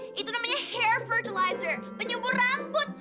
eh itu namanya hair fertilizer penyumbur rambut